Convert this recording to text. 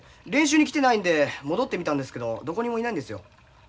練習に来てないんで戻ってみたんですけどどこにもいないんですよ。